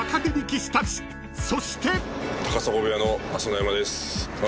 ［そして］